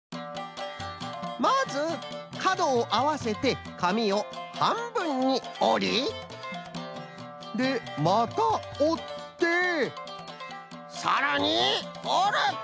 まずかどをあわせてかみをはんぶんにおりでまたおってさらにおる！